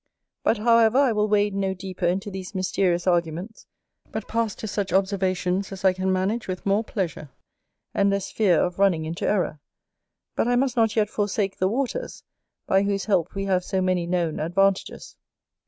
But, however, I will wade no deeper into these mysterious arguments, but pass to such observations as I can manage with more pleasure, and less fear of running into error. But I must not yet forsake the waters, by whose help we have so many known advantages.